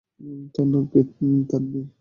তার নাম কি তানভি?